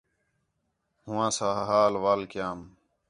ہواں ساں حال وال کیام